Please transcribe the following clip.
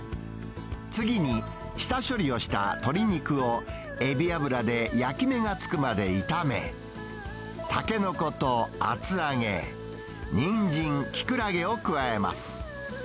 次に、下処理をした鶏肉を、エビ油で焼き目がつくまで炒め、タケノコと厚揚げ、ニンジン、キクラゲを加えます。